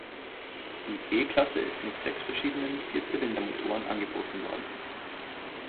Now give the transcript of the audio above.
Die B-Klasse ist mit sechs verschiedenen Vierzylindermotoren angeboten worden.